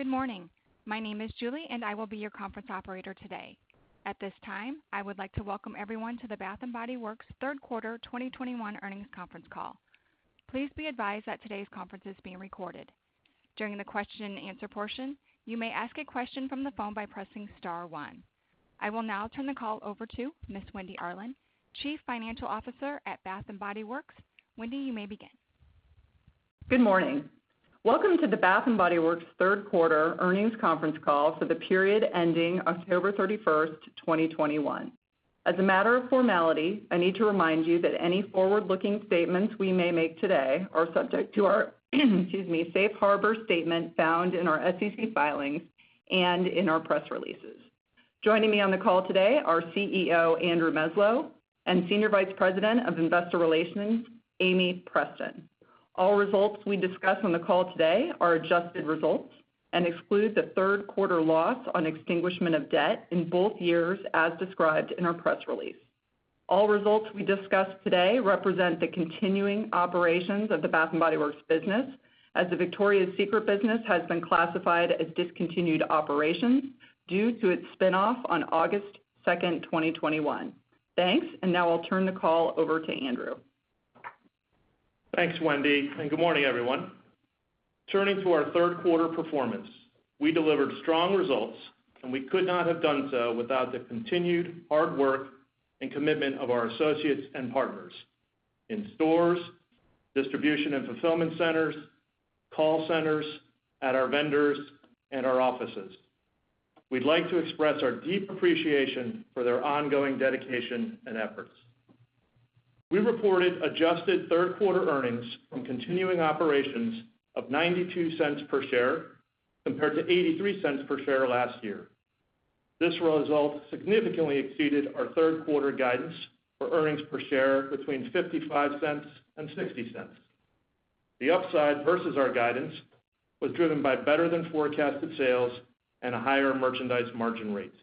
Good morning. My name is Julie, and I will be your conference operator today. At this time, I would like to welcome everyone to the Bath & Body Works Third Quarter 2021 Earnings Conference Call. Please be advised that today's conference is being recorded. During the question and answer portion, you may ask a question from the phone by pressing star one. I will now turn the call over to Ms. Wendy Arlin, Chief Financial Officer at Bath & Body Works. Wendy, you may begin. Good morning. Welcome to the Bath & Body Works Third Quarter Earnings Conference Call for the period ending October 31st, 2021. As a matter of formality, I need to remind you that any forward-looking statements we may make today are subject to our, excuse me, safe harbor statement found in our SEC filings and in our press releases. Joining me on the call today are CEO Andrew Meslow and Senior Vice President of Investor Relations Amie Preston. All results we discuss on the call today are adjusted results and exclude the third quarter loss on extinguishment of debt in both years, as described in our press release. All results we discuss today represent the continuing operations of the Bath & Body Works business, as the Victoria's Secret business has been classified as discontinued operations due to its spin-off on August 2nd, 2021. Thanks. Now I'll turn the call over to Andrew. Thanks, Wendy, and good morning, everyone. Turning to our third quarter performance, we delivered strong results, and we could not have done so without the continued hard work and commitment of our associates and partners in stores, distribution and fulfillment centers, call centers, at our vendors, and our offices. We'd like to express our deep appreciation for their ongoing dedication and efforts. We reported adjusted third quarter earnings from continuing operations of $0.92 per share compared to $0.83 per share last year. This result significantly exceeded our third quarter guidance for earnings per share between $0.55 and $0.60. The upside vs our guidance was driven by better than forecasted sales and a higher merchandise margin rate.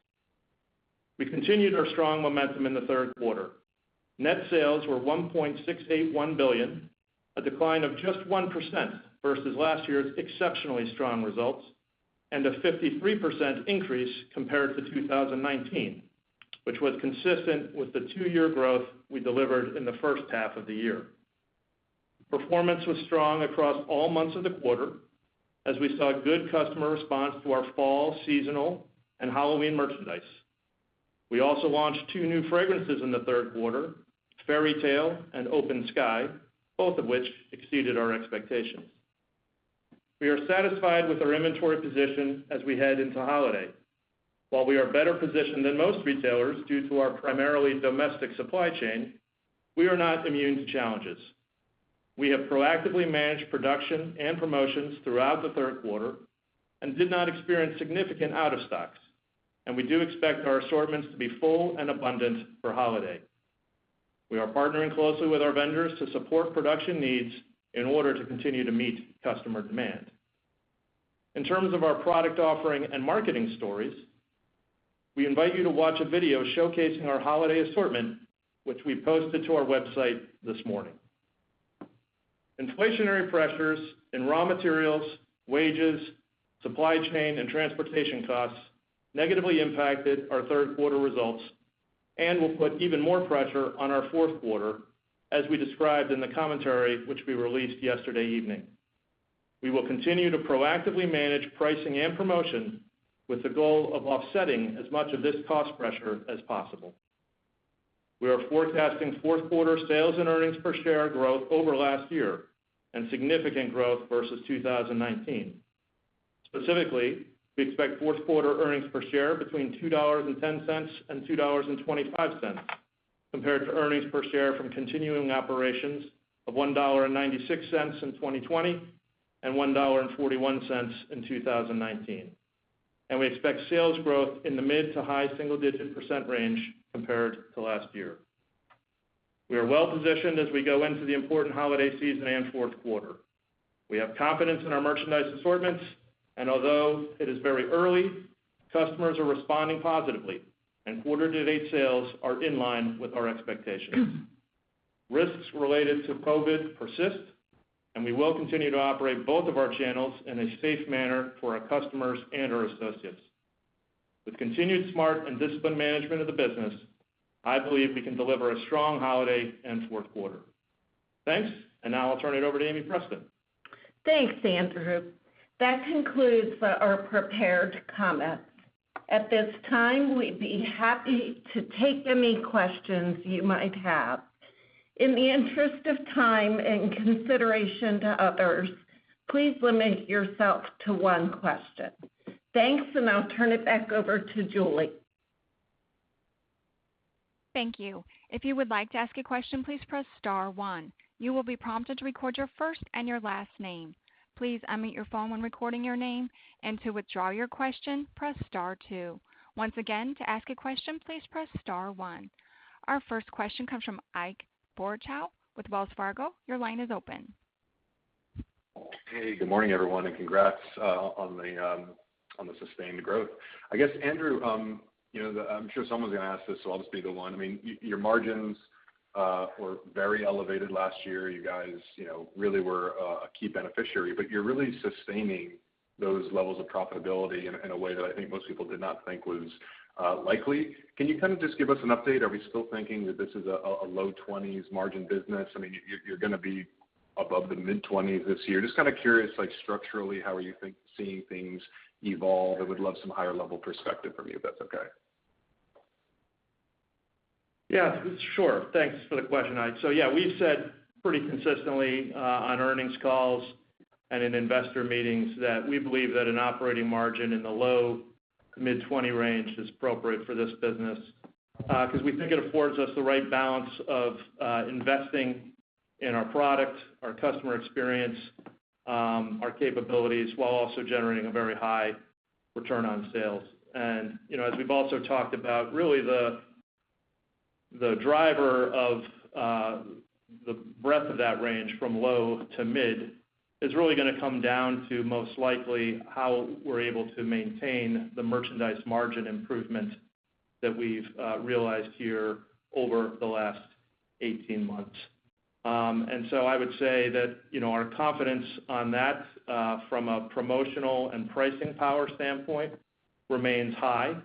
We continued our strong momentum in the third quarter. Net sales were $1.681 billion, a decline of just 1% vs last year's exceptionally strong results, and a 53% increase compared to 2019, which was consistent with the 2-year growth we delivered in the first half of the year. Performance was strong across all months of the quarter as we saw good customer response to our fall, seasonal, and Halloween merchandise. We also launched two new fragrances in the third quarter, Fairytale and Open Sky, both of which exceeded our expectations. We are satisfied with our inventory position as we head into holiday. While we are better positioned than most retailers due to our primarily domestic supply chain, we are not immune to challenges. We have proactively managed production and promotions throughout the third quarter and did not experience significant out-of-stocks, and we do expect our assortments to be full and abundant for holiday. We are partnering closely with our vendors to support production needs in order to continue to meet customer demand. In terms of our product offering and marketing stories, we invite you to watch a video showcasing our holiday assortment, which we posted to our website this morning. Inflationary pressures in raw materials, wages, supply chain, and transportation costs negatively impacted our third quarter results and will put even more pressure on our fourth quarter as we described in the commentary which we released yesterday evening. We will continue to proactively manage pricing and promotion with the goal of offsetting as much of this cost pressure as possible. We are forecasting fourth quarter sales and earnings per share growth over last year and significant growth vs 2019. Specifically, we expect fourth quarter earnings per share between $2.10 and $2.25 compared to earnings per share from continuing operations of $1.96 in 2020 and $1.41 in 2019. We expect sales growth in the mid- to high-single-digit % range compared to last year. We are well positioned as we go into the important holiday season and fourth quarter. We have confidence in our merchandise assortments, and although it is very early, customers are responding positively, and quarter-to-date sales are in line with our expectations. Risks related to COVID persist, and we will continue to operate both of our channels in a safe manner for our customers and our associates. With continued smart and disciplined management of the business, I believe we can deliver a strong holiday and fourth quarter. Thanks. Now I'll turn it over to Amie Preston. Thanks, Andrew. That concludes our prepared comments. At this time, we'd be happy to take any questions you might have. In the interest of time and consideration to others, please limit yourself to one question. Thanks, and I'll turn it back over to Julie. Thank you. If you would like to ask a question, please press star one. You will be prompted to record your first and your last name. Please unmute your phone when recording your name. To withdraw your question, press star two. Once again, to ask a question, please press star one. Our first question comes from Ike Boruchow with Wells Fargo. Your line is open. Hey, good morning, everyone, and congrats on the sustained growth. I guess, Andrew, you know, I'm sure someone's gonna ask this, so I'll just be the one. I mean, your margins were very elevated last year. You guys, you know, really were a key beneficiary, but you're really sustaining those levels of profitability in a way that I think most people did not think was likely. Can you kind of just give us an update? Are we still thinking that this is a low-20s% margin business? I mean, you're gonna be above the mid-20s% this year. Just kind of curious, like structurally, how are you seeing things evolve? I would love some higher level perspective from you, if that's okay. Yeah, sure. Thanks for the question, Ike. Yeah, we've said pretty consistently on earnings calls and in investor meetings that we believe that an operating margin in the low- to mid-20% range is appropriate for this business. Because we think it affords us the right balance of investing in our product, our customer experience, our capabilities, while also generating a very high return on sales. You know, as we've also talked about, really the driver of the breadth of that range from low to mid is really gonna come down to most likely how we're able to maintain the merchandise margin improvement that we've realized here over the last 18 months. I would say that, you know, our confidence on that from a promotional and pricing power standpoint remains high.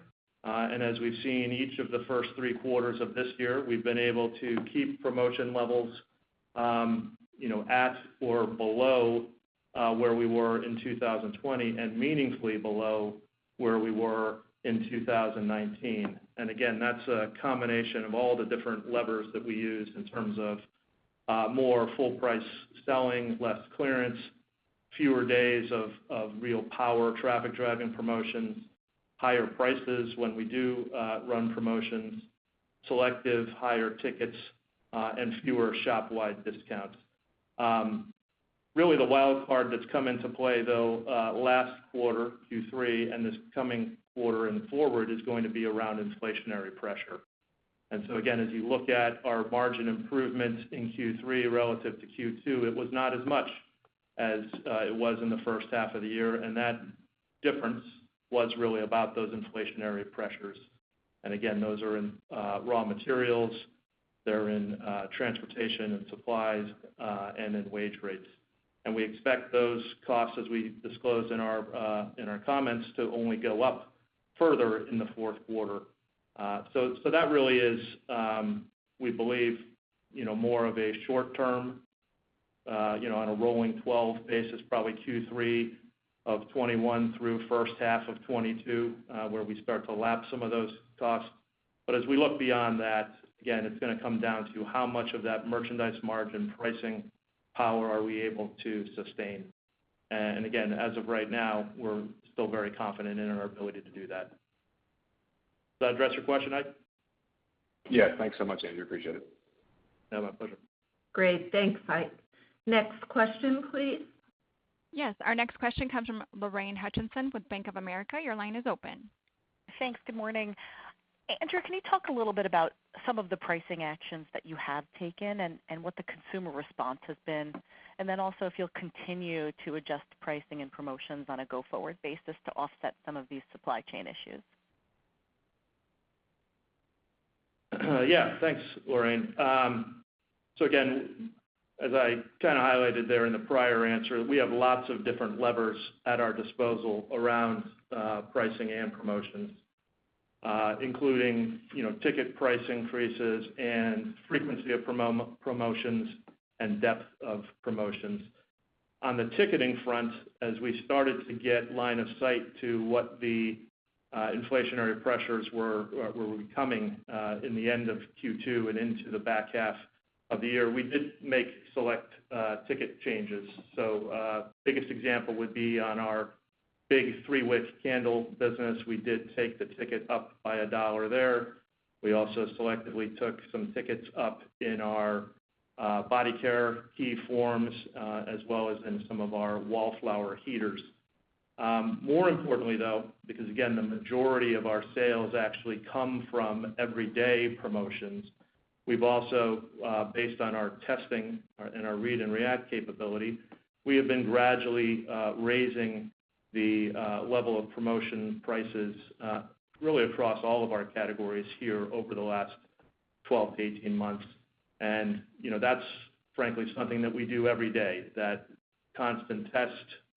As we've seen each of the first three quarters of this year, we've been able to keep promotion levels, you know, at or below where we were in 2020, and meaningfully below where we were in 2019. Again, that's a combination of all the different levers that we use in terms of more full price selling, less clearance, fewer days of real power traffic driving promotions, higher prices when we do run promotions, selective higher tickets, and fewer shop wide discounts. Really the wild card that's come into play though last quarter, Q3, and this coming quarter and forward, is going to be around inflationary pressure. Again, as you look at our margin improvements in Q3 relative to Q2, it was not as much as it was in the first half of the year, and that difference was really about those inflationary pressures. Those are in raw materials, they're in transportation and supplies, and in wage rates. We expect those costs, as we disclosed in our comments, to only go up further in the fourth quarter. So that really is, we believe, you know, more of a short term, you know, on a rolling 12-basis, probably Q3 of 2021 through first half of 2022, where we start to lap some of those costs. As we look beyond that, again, it's gonna come down to how much of that merchandise margin pricing power are we able to sustain. Again, as of right now, we're still very confident in our ability to do that. Does that address your question, Ike? Yeah. Thanks so much, Andrew. Appreciate it. Yeah, my pleasure. Great. Thanks, Ike. Next question, please. Yes. Our next question comes from Lorraine Hutchinson with Bank of America. Your line is open. Thanks. Good morning. Andrew, can you talk a little bit about some of the pricing actions that you have taken and what the consumer response has been? Then also if you'll continue to adjust pricing and promotions on a go-forward basis to offset some of these supply chain issues. Yeah. Thanks, Lorraine. As I kinda highlighted there in the prior answer, we have lots of different levers at our disposal around pricing and promotions, including, you know, ticket price increases and frequency of promotions and depth of promotions. On the ticketing front, as we started to get line of sight to what the inflationary pressures were coming in the end of Q2 and into the back half of the year, we did make select ticket changes. Biggest example would be on our big 3-wick candle business. We did take the ticket up by $1 there. We also selectively took some tickets up in our body care key forms, as well as in some of our Wallflowers heaters. More importantly, though, because again, the majority of our sales actually come from everyday promotions, we've also, based on our testing and our read and react capability, we have been gradually raising the level of promotion prices, really across all of our categories here over the last 12-18 months. You know, that's frankly something that we do every day. That constant test,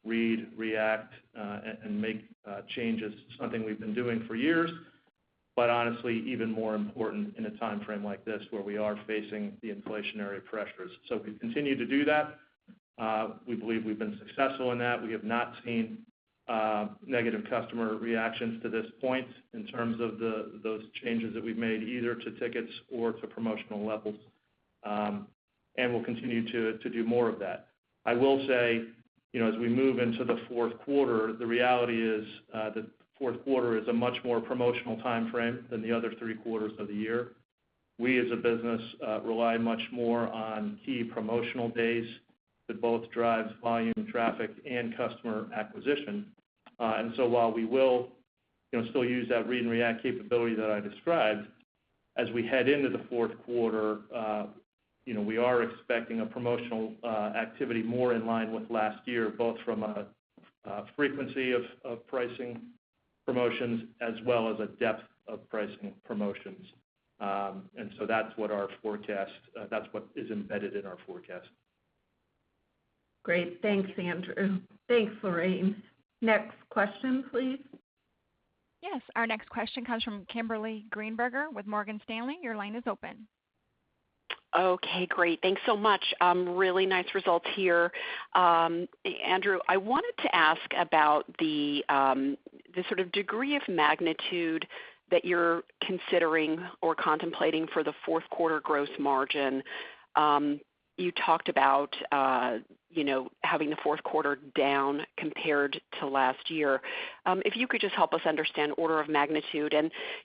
read, react, and make changes is something we've been doing for years, but honestly, even more important in a timeframe like this where we are facing the inflationary pressures. We continue to do that. We believe we've been successful in that. We have not seen negative customer reactions to this point in terms of those changes that we've made, either to tickets or to promotional levels. We'll continue to do more of that. I will say, you know, as we move into the fourth quarter, the reality is, the fourth quarter is a much more promotional timeframe than the other three quarters of the year. We, as a business, rely much more on key promotional days that both drives volume, traffic, and customer acquisition. You know, still use that read and react capability that I described. As we head into the fourth quarter, you know, we are expecting a promotional activity more in line with last year, both from a frequency of pricing promotions as well as a depth of pricing promotions. That's what is embedded in our forecast. Great. Thanks, Andrew. Thanks, Lorraine. Next question, please. Yes. Our next question comes from Kimberly Greenberger with Morgan Stanley. Your line is open. Okay, great. Thanks so much. Really nice results here. Andrew, I wanted to ask about the sort of degree of magnitude that you're considering or contemplating for the fourth quarter gross margin. You talked about, you know, having the fourth quarter down compared to last year. If you could just help us understand order of magnitude.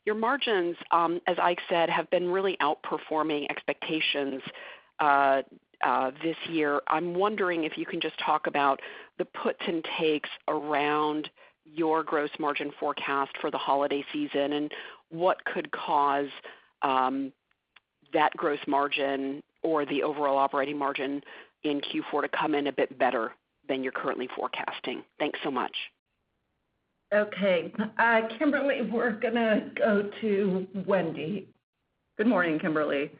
Your margins, as Ike said, have been really outperforming expectations, this year. I'm wondering if you can just talk about the puts and takes around your gross margin forecast for the holiday season and what could cause that gross margin or the overall operating margin in Q4 to come in a bit better than you're currently forecasting. Thanks so much. Okay. Kimberly, we're gonna go to Wendy. Good morning, Kimberly.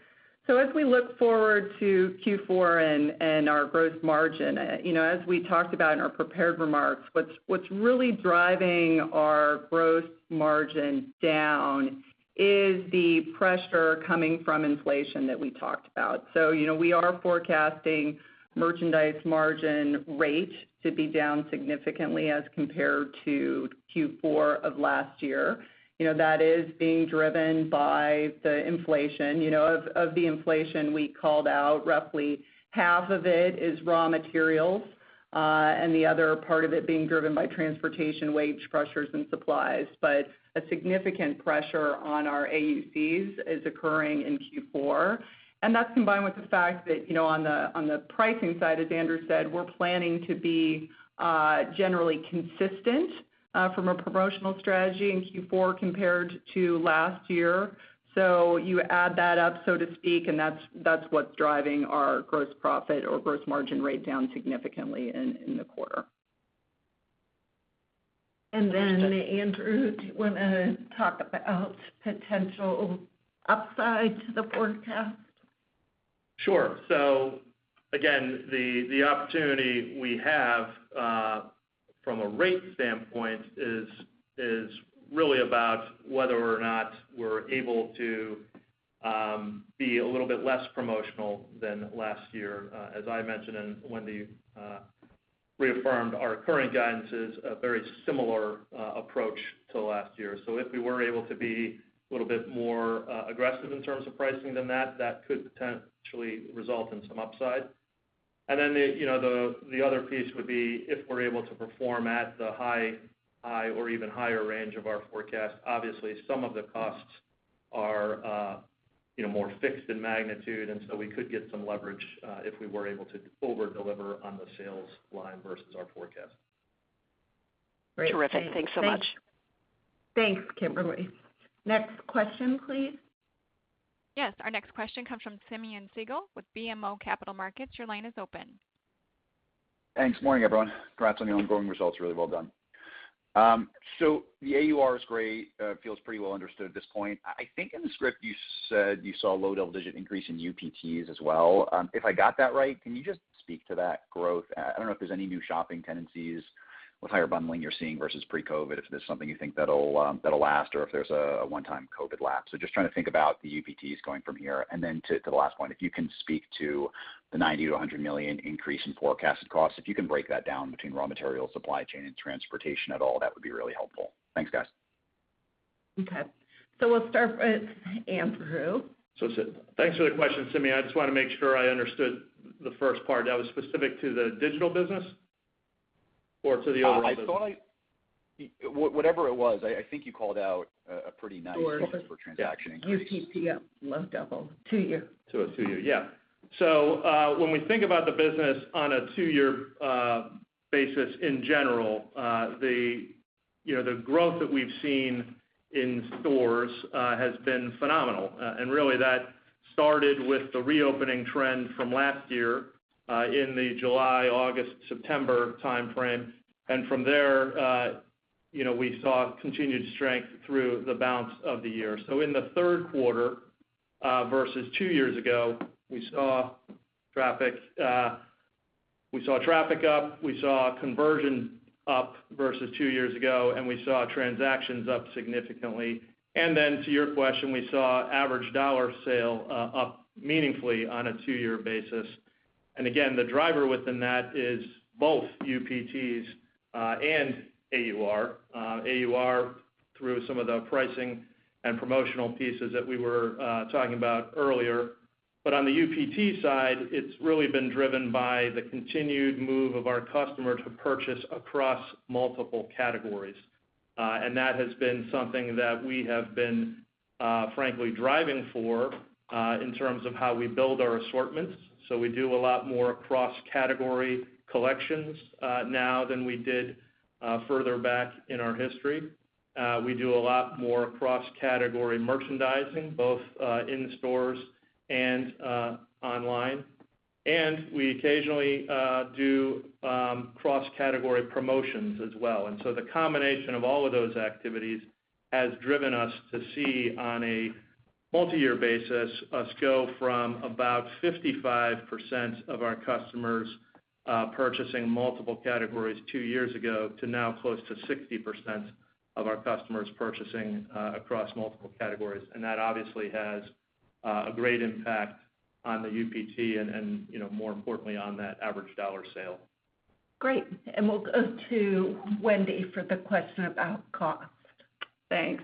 As we look forward to Q4 and our gross margin, you know, as we talked about in our prepared remarks, what's really driving our gross margin down is the pressure coming from inflation that we talked about. You know, we are forecasting merchandise margin rate to be down significantly as compared to Q4 of last year. You know, that is being driven by the inflation. You know, of the inflation we called out, roughly half of it is raw materials, and the other part of it being driven by transportation, wage pressures, and supplies. A significant pressure on our AUCs is occurring in Q4, and that's combined with the fact that, you know, on the pricing side, as Andrew said, we're planning to be generally consistent from a promotional strategy in Q4 compared to last year. You add that up, so to speak, and that's what's driving our gross profit or gross margin rate down significantly in the quarter. Andrew, do you wanna talk about potential upside to the forecast? Sure. Again, the opportunity we have from a rate standpoint is really about whether or not we're able to be a little bit less promotional than last year. As I mentioned, and Wendy reaffirmed, our current guidance is a very similar approach to last year. If we were able to be a little bit more aggressive in terms of pricing than that could potentially result in some upside. Then the, you know, the other piece would be if we're able to perform at the high or even higher range of our forecast. Obviously, some of the costs are, you know, more fixed in magnitude, and so we could get some leverage if we were able to over-deliver on the sales line vs our forecast. Terrific. Thanks so much. Thanks, Kimberly. Next question, please. Yes, our next question comes from Simeon Siegel with BMO Capital Markets. Your line is open. Thanks. Morning, everyone. Congrats on the ongoing results. Really well done. The AUR is great, feels pretty well understood at this point. I think in the script you said you saw low double-digit increase in UPTs as well. If I got that right, can you just speak to that growth? I don't know if there's any new shopping tendencies with higher bundling you're seeing vs pre-COVID, if there's something you think that'll last, or if there's a one-time COVID lapse. Just trying to think about the UPTs going from here. To, to the last point, if you can speak to the $90 million-$100 million increase in forecasted costs, if you can break that down between raw materials, supply chain, and transportation at all, that would be really helpful. Thanks, guys. Okay. We'll start with Andrew. thanks for the question, Simeon. I just wanna make sure I understood the first part. That was specific to the digital business or to the overall business? I thought whatever it was, I think you called out a pretty nice Store number for transaction increase. UPT, yeah. Low double. Two-year. On a two-year basis. Yeah. When we think about the business on a two-year basis in general, you know, the growth that we've seen in stores has been phenomenal. Really that started with the reopening trend from last year in the July, August, September timeframe. From there, you know, we saw continued strength through the balance of the year. In the third quarter vs two years ago, we saw traffic up, we saw conversion up vs two years ago, and we saw transactions up significantly. Then to your question, we saw average dollar sale up meaningfully on a two-year basis. Again, the driver within that is both UPTs and AUR through some of the pricing and promotional pieces that we were talking about earlier. On the UPT side, it's really been driven by the continued move of our customer to purchase across multiple categories. And that has been something that we have been, frankly driving for, in terms of how we build our assortments. We do a lot more cross-category collections, now than we did, further back in our history. We do a lot more cross-category merchandising, both in stores and online. We occasionally do cross-category promotions as well. The combination of all of those activities has driven us to see on a multi-year basis, us go from about 55% of our customers purchasing multiple categories two years ago, to now close to 60% of our customers purchasing across multiple categories. That obviously has a great impact on the UPT and, you know, more importantly on that average dollar sale. Great. We'll go to Wendy for the question about cost. Thanks.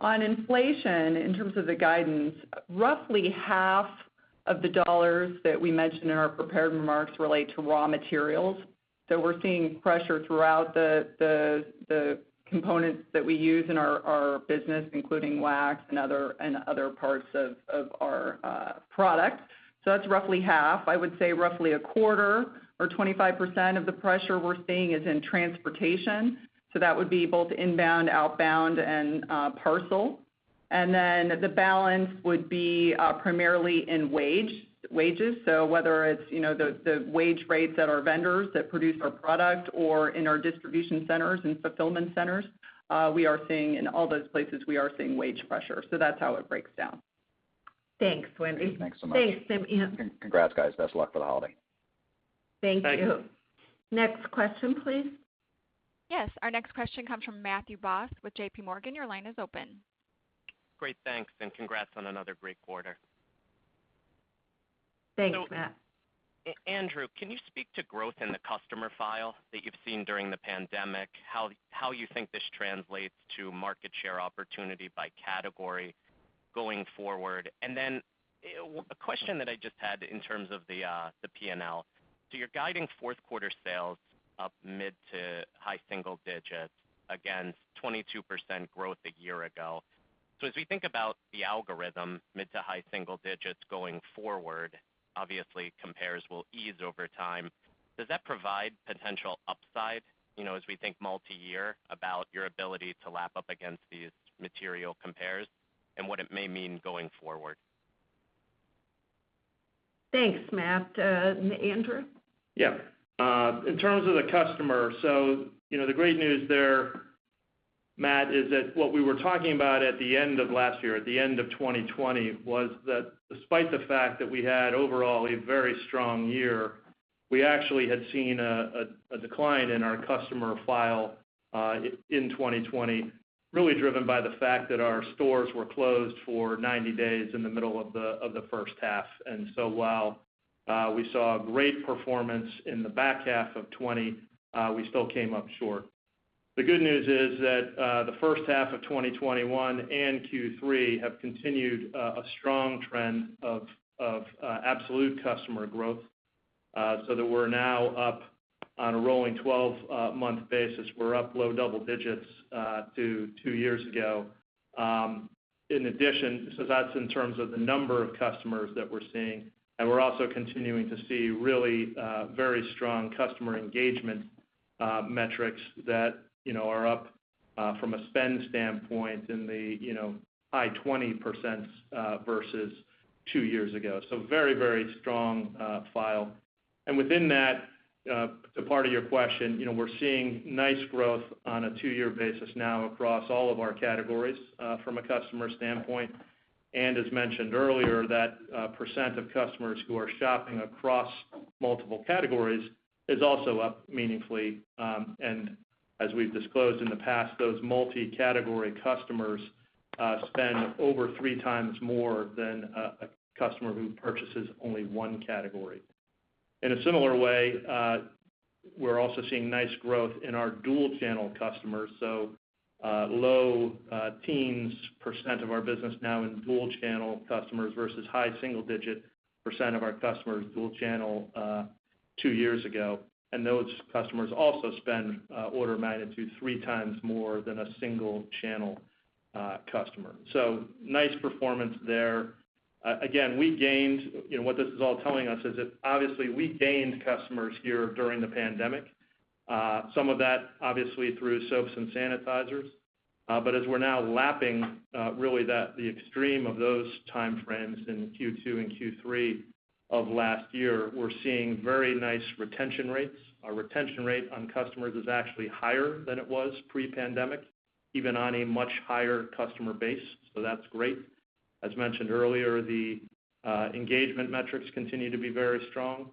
On inflation, in terms of the guidance, roughly half of the dollars that we mentioned in our prepared remarks relate to raw materials. We're seeing pressure throughout the components that we use in our business, including wax and other parts of our products. That's roughly half. I would say roughly a quarter or 25% of the pressure we're seeing is in transportation. That would be both inbound, outbound, and parcel. And then the balance would be primarily in wages. Whether it's, you know, the wage rates at our vendors that produce our product or in our distribution centers and fulfillment centers, we are seeing. In all those places, we are seeing wage pressure. That's how it breaks down. Thanks, Wendy. Thanks so much. Thanks, and Andrew. Congrats, guys. Best of luck for the holiday. Thank you. Thank you. Next question, please. Yes. Our next question comes from Matthew Boss with JPMorgan. Your line is open. Great. Thanks, and congrats on another great quarter. Thanks, Matt. Andrew, can you speak to growth in the customer file that you've seen during the pandemic? How you think this translates to market share opportunity by category going forward? And then a question that I just had in terms of the P&L. You're guiding fourth quarter sales up mid- to high-single-digits against 22% growth a year ago. As we think about the algorithm, mid- to high-single-digits going forward, obviously compares will ease over time. Does that provide potential upside, you know, as we think multi-year about your ability to lap up against these material compares and what it may mean going forward? Thanks, Matt. Andrew? Yeah. In terms of the customer, you know, the great news there, Matt, is that what we were talking about at the end of last year, at the end of 2020, was that despite the fact that we had overall a very strong year, we actually had seen a decline in our customer file in 2020, really driven by the fact that our stores were closed for 90 days in the middle of the first half. While we saw great performance in the back half of 2020, we still came up short. The good news is that the first half of 2021 and Q3 have continued a strong trend of absolute customer growth, so that we're now up on a rolling 12-month basis. We're up low double digits to two years ago. That's in terms of the number of customers that we're seeing. We're also continuing to see really very strong customer engagement metrics that, you know, are up from a spend standpoint in the, you know, high 20%, vs two years ago. Very, very strong file. Within that, to part of your question, you know, we're seeing nice growth on a two-year basis now across all of our categories from a customer standpoint. As mentioned earlier, that percent of customers who are shopping across multiple categories is also up meaningfully. As we've disclosed in the past, those multi-category customers spend over three times more than a customer who purchases only one category. In a similar way, we're also seeing nice growth in our dual channel customers. Low teens% of our business now in dual channel customers vs high single-digit% of our customers dual channel two years ago. Those customers also spend order of magnitude three times more than a single channel customer. Nice performance there. Again, we gained. You know, what this is all telling us is that obviously we gained customers here during the pandemic. Some of that obviously through soaps and sanitizers. As we're now lapping really the extreme of those time frames in Q2 and Q3 of last year, we're seeing very nice retention rates. Our retention rate on customers is actually higher than it was pre-pandemic, even on a much higher customer base. That's great. As mentioned earlier, the engagement metrics continue to be very strong.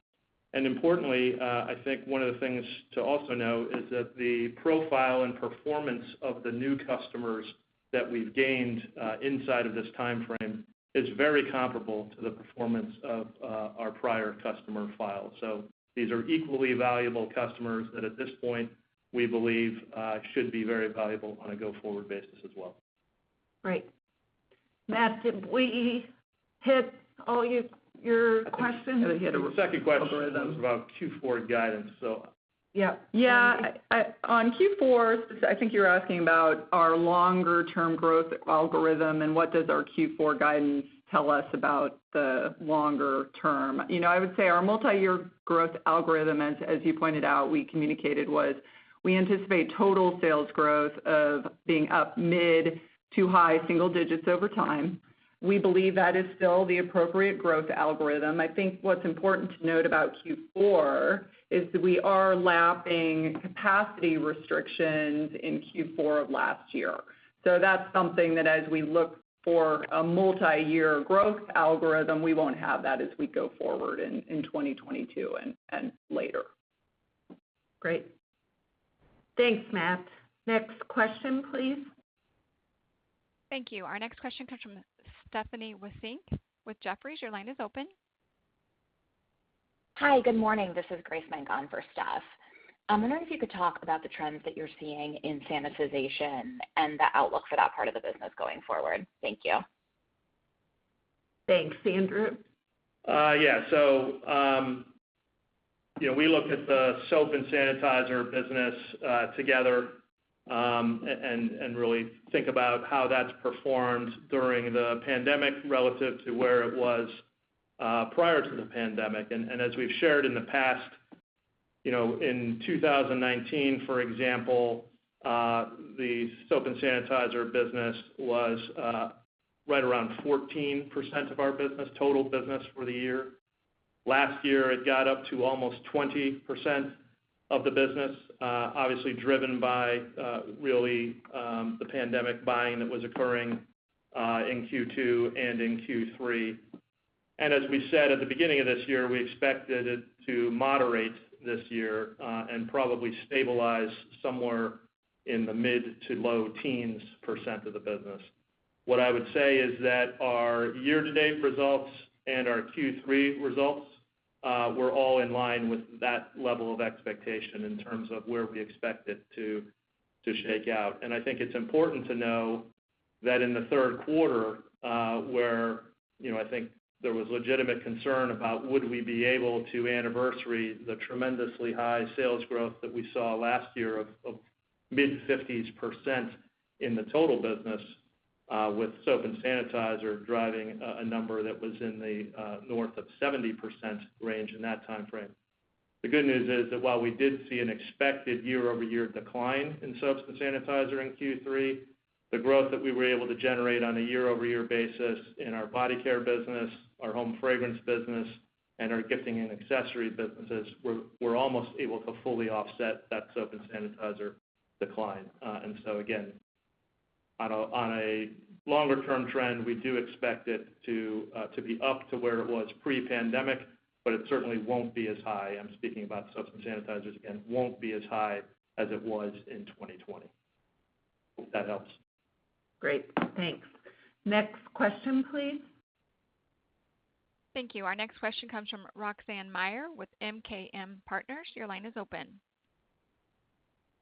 Importantly, I think one of the things to also know is that the profile and performance of the new customers that we've gained inside of this timeframe is very comparable to the performance of our prior customer file. These are equally valuable customers that at this point, we believe should be very valuable on a go-forward basis as well. Great. Matthew, did we Hit all your questions? The second question was about Q4 guidance, so. Yeah, I on Q4, I think you're asking about our longer-term growth algorithm and what does our Q4 guidance tell us about the longer term. You know, I would say our multiyear growth algorithm, as you pointed out, we communicated was we anticipate total sales growth of being up mid to high single digits over time. We believe that is still the appropriate growth algorithm. I think what's important to note about Q4 is that we are lapping capacity restrictions in Q4 of last year. That's something that as we look for a multiyear growth algorithm, we won't have that as we go forward in 2022 and later. Great. Thanks, Matt. Next question, please. Thank you. Our next question comes from Stephanie Wissink with Jefferies. Your line is open. Hi, good morning. This is Grace Menk for Steph. I wonder if you could talk about the trends that you're seeing in sanitization and the outlook for that part of the business going forward. Thank you. Thanks. Andrew? Yeah. You know, we look at the soap and sanitizer business together and really think about how that's performed during the pandemic relative to where it was prior to the pandemic. As we've shared in the past, you know, in 2019, for example, the soap and sanitizer business was right around 14% of our business, total business for the year. Last year, it got up to almost 20% of the business, obviously driven by really the pandemic buying that was occurring in Q2 and in Q3. As we said at the beginning of this year, we expected it to moderate this year and probably stabilize somewhere in the mid- to low-teens % of the business. What I would say is that our year-to-date results and our Q3 results were all in line with that level of expectation in terms of where we expect it to shake out. I think it's important to know that in the third quarter, where you know, I think there was legitimate concern about would we be able to anniversary the tremendously high sales growth that we saw last year of mid-50s% in the total business, with soap and sanitizer driving a number that was in the north of 70% range in that timeframe. The good news is that while we did see an expected year-over-year decline in soap and sanitizer in Q3, the growth that we were able to generate on a year-over-year basis in our body care business, our home fragrance business, and our gifting and accessory businesses were almost able to fully offset that soap and sanitizer decline. Again, on a longer term trend, we do expect it to be up to where it was pre-pandemic, but it certainly won't be as high. I'm speaking about soap and sanitizers; again, it won't be as high as it was in 2020. Hope that helps. Great. Thanks. Next question, please. Thank you. Our next question comes from Roxanne Meyer with MKM Partners. Your line is open.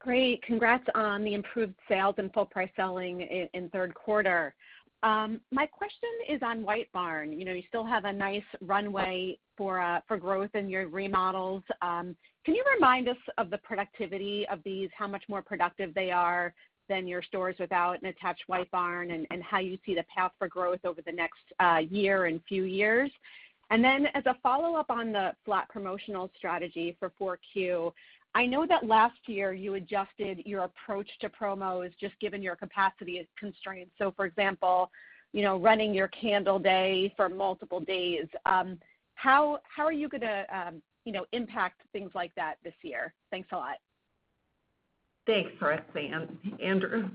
Great. Congrats on the improved sales and full price selling in third quarter. My question is on White Barn. You know, you still have a nice runway for growth in your remodels. Can you remind us of the productivity of these, how much more productive they are than your stores without an attached White Barn, and how you see the path for growth over the next year and few years? As a follow-up on the flat promotional strategy for 4Q, I know that last year you adjusted your approach to promos just given your capacity constraints. For example, you know, running your Candle Day for multiple days. How are you gonna you know, impact things like that this year? Thanks a lot. Thanks, Roxanne. Andrew?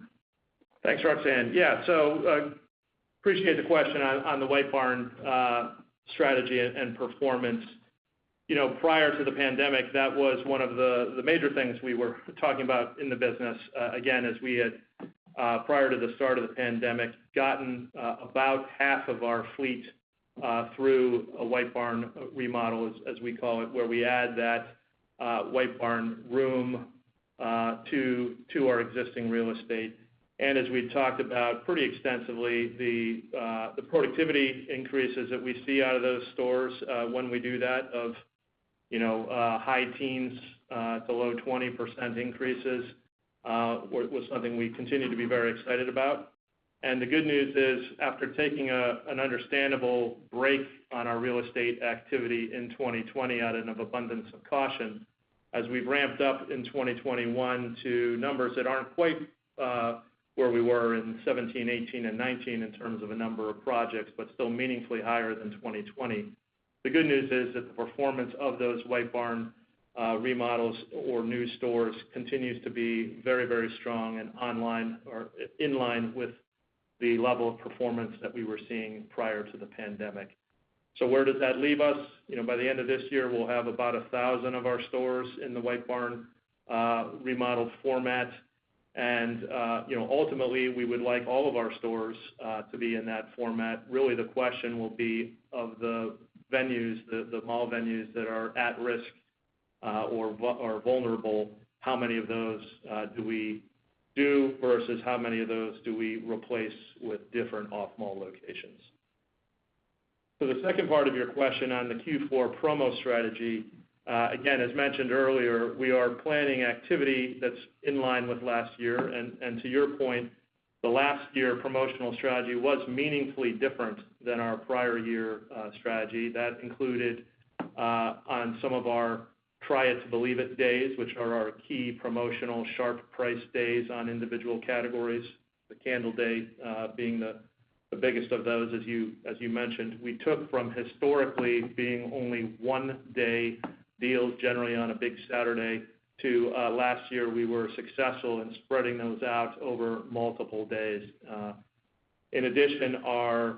Thanks, Roxanne. Yeah. Appreciate the question on the White Barn strategy and performance. You know, prior to the pandemic, that was one of the major things we were talking about in the business, again, as we had prior to the start of the pandemic, gotten about half of our fleet through a White Barn remodel, as we call it, where we add that White Barn room to our existing real estate. As we talked about pretty extensively, the productivity increases that we see out of those stores when we do that of, you know, high teens to low 20% increases was something we continue to be very excited about. The good news is, after taking an understandable break on our real estate activity in 2020 out of abundance of caution, as we've ramped up in 2021 to numbers that aren't quite where we were in 2017, 2018, and 2019 in terms of the number of projects, but still meaningfully higher than 2020, the good news is that the performance of those White Barn remodels or new stores continues to be very, very strong and in line with the level of performance that we were seeing prior to the pandemic. Where does that leave us? You know, by the end of this year, we'll have about 1,000 of our stores in the White Barn remodeled format. You know, ultimately, we would like all of our stores to be in that format. Really the question will be of the venues, the mall venues that are at risk or vulnerable, how many of those do we do vs how many of those do we replace with different off-mall locations? To the second part of your question on the Q4 promo strategy, again, as mentioned earlier, we are planning activity that's in line with last year. To your point, the last year promotional strategy was meaningfully different than our prior year strategy. That included on some of our Try It To Believe It days, which are our key promotional sharp price days on individual categories, the Candle Day being the biggest of those as you mentioned. We took from historically being only one-day deals, generally on a big Saturday, to last year, we were successful in spreading those out over multiple days. In addition, our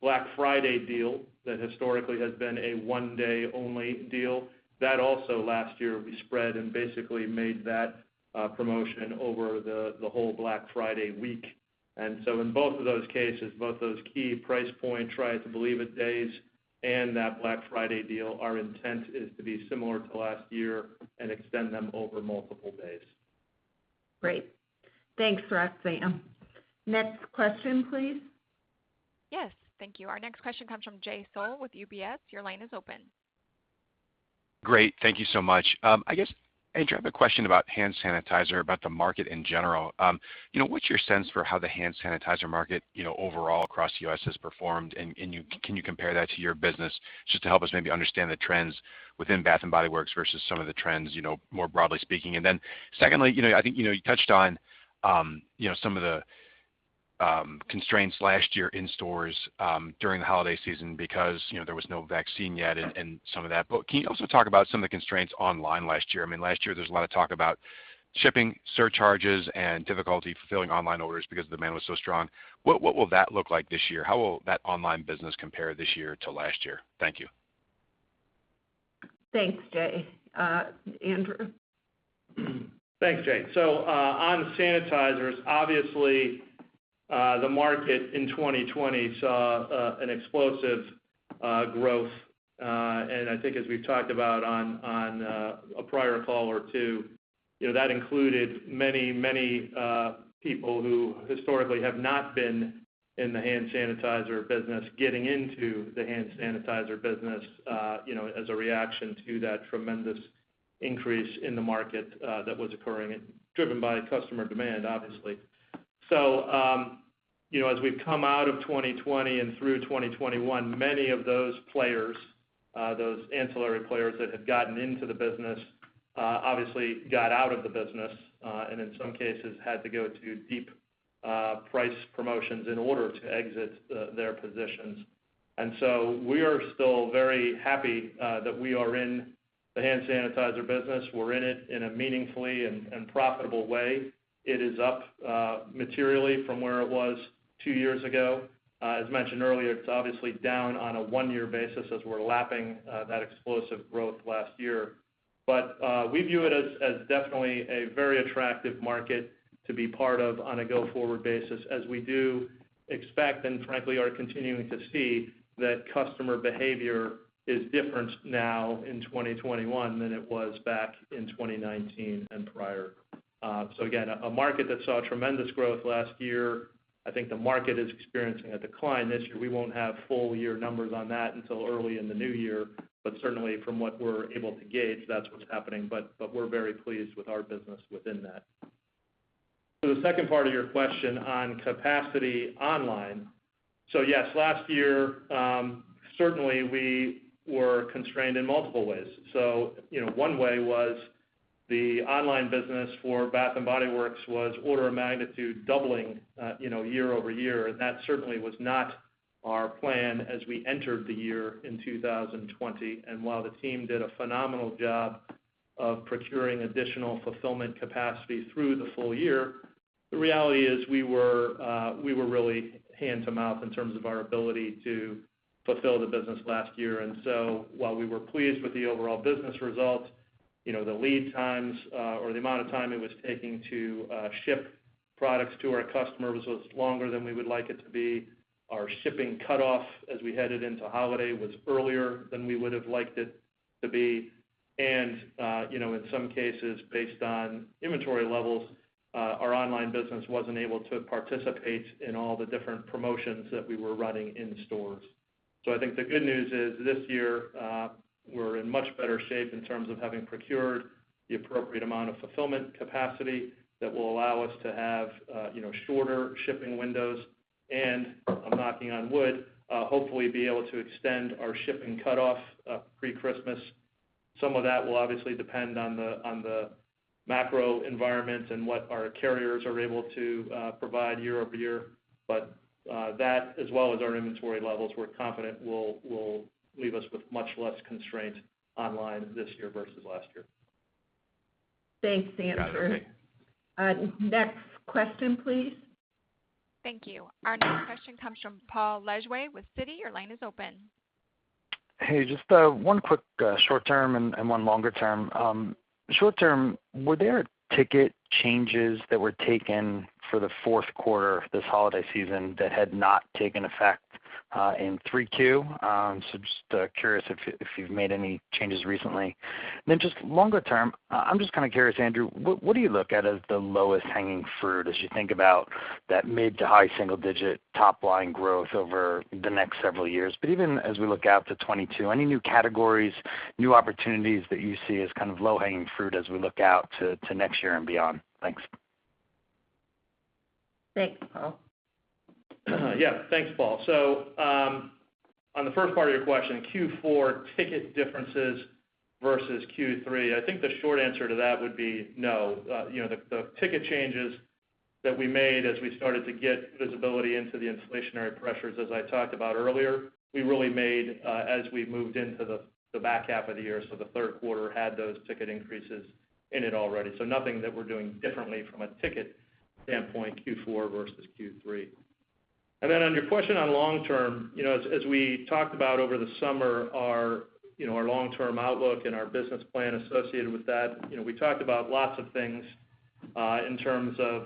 Black Friday deal that historically has been a one day only deal, that also last year we spread and basically made that promotion over the whole Black Friday week. In both of those cases, both those key price point Try It To Believe It days and that Black Friday deal, our intent is to be similar to last year and extend them over multiple days. Great. Thanks, Roxanne. Next question, please. Yes. Thank you. Our next question comes from Jay Sole with UBS. Your line is open. Great. Thank you so much. I guess, Andrew, I have a question about hand sanitizer, about the market in general. You know, what's your sense for how the hand sanitizer market, you know, overall across the U.S. has performed? You can compare that to your business just to help us maybe understand the trends within Bath & Body Works vs some of the trends, you know, more broadly speaking? Secondly, you know, I think, you know, you touched on, you know, some of the constraints last year in stores, during the holiday season because, you know, there was no vaccine yet and some of that. Can you also talk about some of the constraints online last year? I mean, last year there was a lot of talk about shipping surcharges and difficulty fulfilling online orders because the demand was so strong. What will that look like this year? How will that online business compare this year to last year? Thank you. Thanks, Jay. Andrew? Thanks, Jay. On sanitizers, obviously, the market in 2020 saw an explosive growth. I think as we've talked about on a prior call or two, you know, that included many people who historically have not been in the hand sanitizer business, getting into the hand sanitizer business, you know, as a reaction to that tremendous increase in the market that was occurring, driven by customer demand, obviously. You know, as we've come out of 2020 and through 2021, many of those players, those ancillary players that had gotten into the business, obviously got out of the business, and in some cases had to go to deep price promotions in order to exit their positions. We are still very happy that we are in the hand sanitizer business. We're in it in a meaningful and profitable way. It is up materially from where it was two years ago. As mentioned earlier, it's obviously down on a one-year basis as we're lapping that explosive growth last year. We view it as definitely a very attractive market to be part of on a go-forward basis as we do expect and frankly are continuing to see that customer behavior is different now in 2021 than it was back in 2019 and prior. Again, a market that saw tremendous growth last year, I think the market is experiencing a decline this year. We won't have full year numbers on that until early in the new year, but certainly from what we're able to gauge, that's what's happening. We're very pleased with our business within that. To the second part of your question on capacity online. Yes, last year, certainly we were constrained in multiple ways. You know, one way was the online business for Bath & Body Works was order of magnitude doubling, you know, year-over-year. That certainly was not our plan as we entered the year in 2020. While the team did a phenomenal job of procuring additional fulfillment capacity through the full year, the reality is we were really hand to mouth in terms of our ability to fulfill the business last year. While we were pleased with the overall business results, you know, the lead times, or the amount of time it was taking to, ship products to our customers was longer than we would like it to be. Our shipping cutoff as we headed into holiday was earlier than we would have liked it to be. You know, in some cases, based on inventory levels, our online business wasn't able to participate in all the different promotions that we were running in stores. I think the good news is this year, we're in much better shape in terms of having procured the appropriate amount of fulfillment capacity that will allow us to have, you know, shorter shipping windows, and I'm knocking on wood, hopefully be able to extend our shipping cutoff, pre-Christmas. Some of that will obviously depend on the macro environment and what our carriers are able to provide year-over-year. That as well as our inventory levels, we're confident will leave us with much less constraint online this year vs last year. Thanks, Andrew. Next question, please. Thank you. Our next question comes from Paul Lejuez with Citi. Your line is open. Hey, just one quick short term and one longer term. Short term, were there ticket changes that were taken for the fourth quarter of this holiday season that had not taken effect in 3Q, so just curious if you've made any changes recently. Just longer term, I'm just kind of curious, Andrew, what do you look at as the lowest-hanging fruit as you think about that mid- to high single-digit top-line growth over the next several years? But even as we look out to 2022, any new categories, new opportunities that you see as kind of low-hanging fruit as we look out to next year and beyond? Thanks. Thanks, Paul. Yeah, thanks, Paul. On the first part of your question, Q4 ticket differences vs Q3, I think the short answer to that would be no. You know, the ticket changes that we made as we started to get visibility into the inflationary pressures, as I talked about earlier, we really made as we moved into the back half of the year, so the third quarter had those ticket increases in it already. Nothing that we're doing differently from a ticket standpoint, Q4 vs Q3. Then on your question on long term, you know, as we talked about over the summer, our long-term outlook and our business plan associated with that, you know, we talked about lots of things in terms of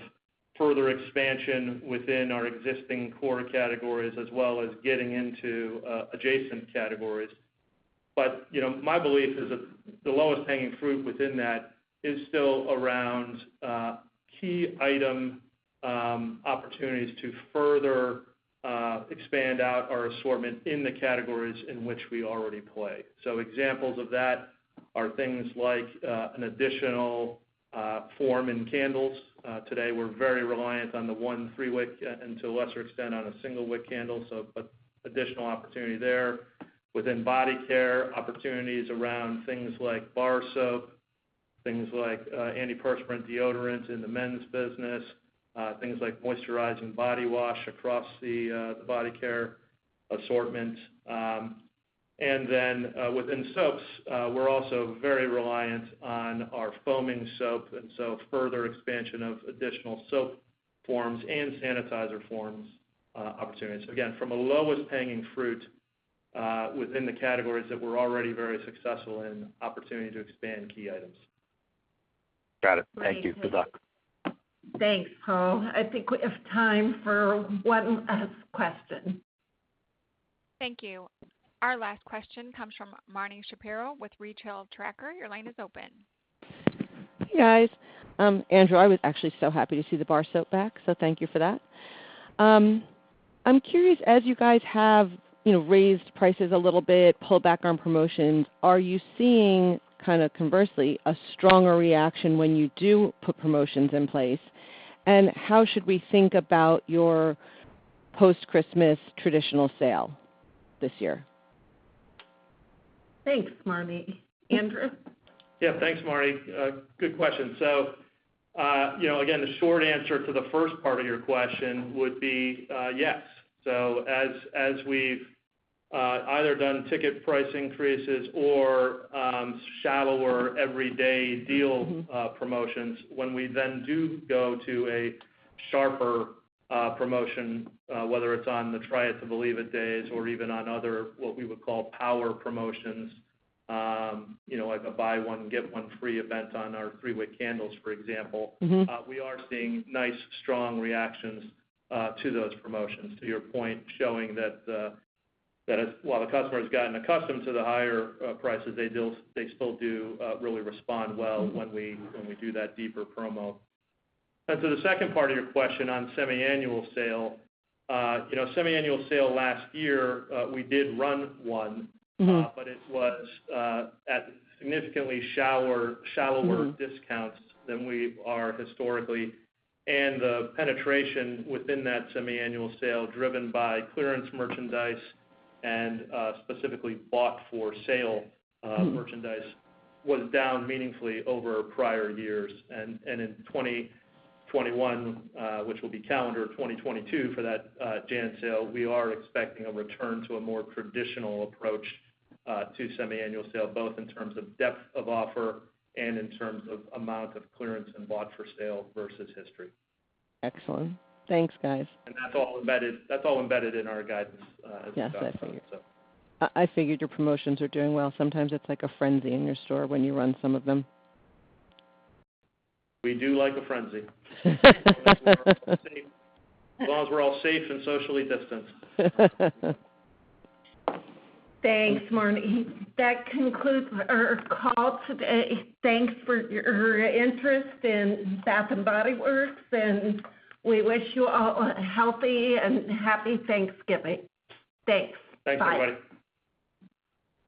further expansion within our existing core categories, as well as getting into adjacent categories. You know, my belief is that the lowest hanging fruit within that is still around key item opportunities to further expand out our assortment in the categories in which we already play. Examples of that are things like an additional form in candles. Today, we're very reliant on the one 3-Wick and to a lesser extent, on a single wick candle, so an additional opportunity there. Within body care, opportunities around things like bar soap, things like antiperspirant deodorants in the men's business, things like moisturizing body wash across the body care assortment. Within soaps, we're also very reliant on our foaming soap, and so further expansion of additional soap forms and sanitizer forms opportunities. Again, from a low-hanging fruit, within the categories that we're already very successful in, an opportunity to expand key items. Got it. Thank you. Good luck. Thanks, Paul. I think we have time for one last question. Thank you. Our last question comes from Marni Shapiro with The Retail Tracker. Your line is open. Hey, guys. Andrew, I was actually so happy to see the bar soap back, so thank you for that. I'm curious, as you guys have, you know, raised prices a little bit, pulled back on promotions, are you seeing, kind of conversely, a stronger reaction when you do put promotions in place? How should we think about your post-Christmas traditional sale this year? Thanks, Marni. Andrew? Yeah. Thanks, Marni. Good question. You know, again, the short answer to the first part of your question would be yes. As we've either done ticket price increases or shallower everyday deal- Mm-hmm promotions, when we then do go to a sharper promotion, whether it's on the Try It to Believe It days or even on other, what we would call power promotions, you know, like a buy one, get one free event on our 3-Wick candles, for example. Mm-hmm We are seeing nice, strong reactions to those promotions, to your point, showing that while the customer has gotten accustomed to the higher prices, they still do really respond well when we do that deeper promo. To the second part of your question on Semi-Annual Sale, you know, Semi-Annual Sale last year, we did run one. Mm-hmm. It was at significantly shallower. Mm-hmm Discounts than we are historically. The penetration within that Semi-Annual Sale driven by clearance merchandise and, specifically bought for sale, merchandise was down meaningfully over prior years. In 2021, which will be calendar 2022 for that, Jan sale, we are expecting a return to a more traditional approach, to Semi-Annual Sale, both in terms of depth of offer and in terms of amount of clearance and bought for sale vs history. Excellent. Thanks, guys. That's all embedded in our guidance, as we got from it. Yes, I figured. I figured your promotions are doing well. Sometimes it's like a frenzy in your store when you run some of them. We do like a frenzy. As long as we're all safe and socially distanced. Thanks, Marni. That concludes our call today. Thanks for your interest in Bath & Body Works, and we wish you all a healthy and happy Thanksgiving. Thanks. Bye. Thanks, everyone.